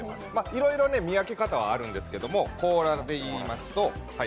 いろいろ見分け方はあるんですけど、甲羅でいいますと。